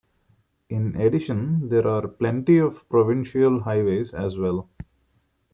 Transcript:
In addition, there are plenty of provincial highways as well.